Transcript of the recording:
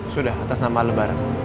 sudah atas nama lo bareng